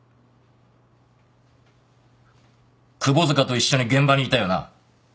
窪塚と一緒に現場にいたよな？